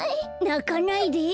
なかないで。